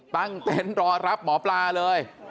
ตั้งเต้นรอรับหมอปราเลย